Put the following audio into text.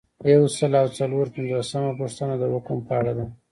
یو سل او څلور پنځوسمه پوښتنه د حکم په اړه ده.